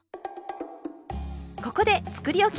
ここでつくりおき